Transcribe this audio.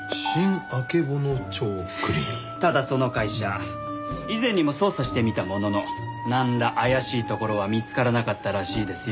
ただその会社以前にも捜査してみたもののなんら怪しいところは見つからなかったらしいですよ。